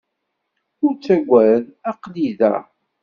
Ur ttagad. Aql-i da.